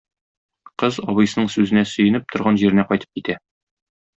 Кыз, абыйсының сүзенә сөенеп, торган җиренә кайтып китә.